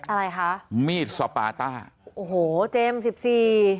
อะไรคะมีดสปาต้าโอ้โหเจมส์สิบสี่